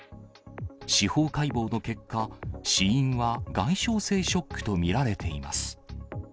司法解剖の結果、死因は外傷性ショックと見られています。